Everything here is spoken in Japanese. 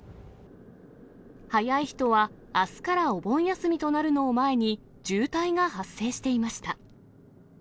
早い人はあすからお盆休みとなるのを前に、渋滞が発生していました。